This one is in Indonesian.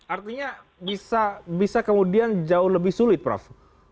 artinya bisa kemudian jauh lebih sulit prof